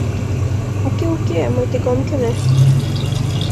Уке-уке, мый тыге ом кӧнӧ.